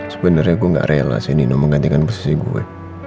sebenernya gue gak rela si nino menggantikan posisi gue